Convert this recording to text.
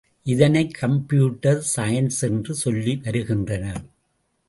இதனை computer science என்று சொல்லி வருகின்றனர்.